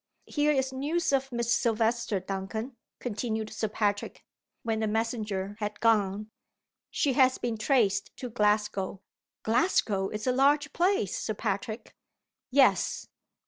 Here is news of Miss Silvester, Duncan," continued Sir Patrick, when the messenger had gone. "She has been traced to Glasgow." "Glasgow is a large place, Sir Patrick." "Yes.